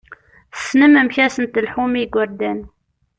Tessnem amek ad sen-telḥum i yigurdan!